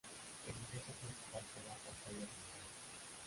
El ingreso principal queda por calle Rincón.